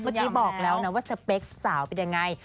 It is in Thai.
เมื่อกี้บอกแล้วนะว่าสเปคสาวเป็นยังไง